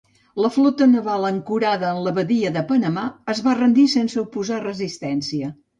La flota naval ancorada en la badia de Panamà es va rendir sense oposar resistència.